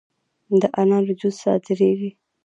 د انارو جوس صادریږي؟